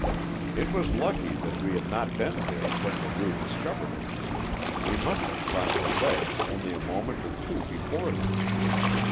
It was lucky that we had not been there when Leroux discovered it. We must have crossed the ledge only a moment or two before them.